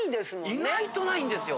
意外とないんですよ